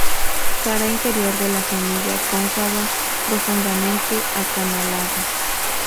Cara interior de la semilla cóncava profundamente acanalada.